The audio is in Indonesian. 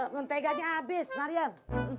menteganya habis marian